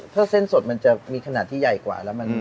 ถ้าเส้นสดมันจะมีขนาดที่ใหญ่กว่าแล้ว